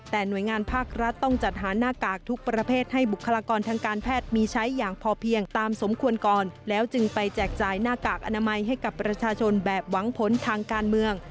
แต่หน่วยงานภาครัฐต้องจัดหาหน้ากากทุกประเภทให้บุคลากรทางการแพทย์มีใช้อย่างพอเพียงตามสมควรก่อนแล้วจึงไปแจกจ่ายหน้ากากอนามัยให้กับประชาชนแบบหวังผลทางการเมือง